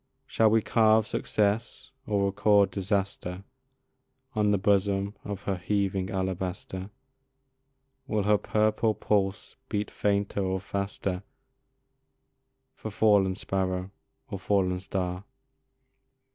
Shall we carve success or record disaster On the bosom of her heaving alabaster? Will her purple pulse beat fainter or faster For fallen sparrow or fallen star?